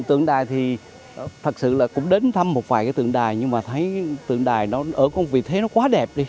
tượng đài thì thật sự là cũng đến thăm một vài cái tượng đài nhưng mà thấy tượng đài nó ở công vị thế nó quá đẹp đi